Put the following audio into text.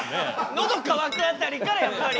「ノドかわく」辺りからやっぱり。